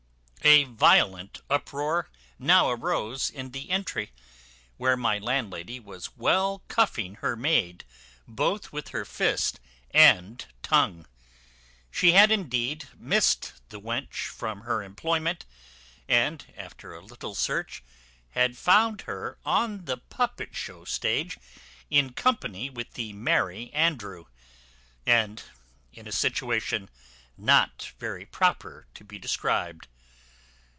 A violent uproar now arose in the entry, where my landlady was well cuffing her maid both with her fist and tongue. She had indeed missed the wench from her employment, and, after a little search, had found her on the puppet show stage in company with the Merry Andrew, and in a situation not very proper to be described.